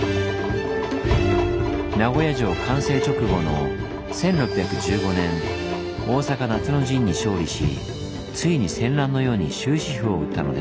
名古屋城完成直後の１６１５年大坂夏の陣に勝利しついに戦乱の世に終止符を打ったのです。